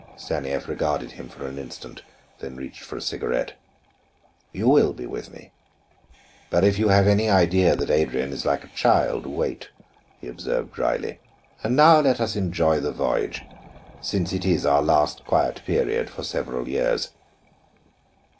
Stanief regarded him for an instant, then reached for a cigarette. "You will be with me. But if you have any idea that Adrian is like a child, wait," he observed dryly. "And now let us enjoy the voyage, since it is our last quiet period for several years."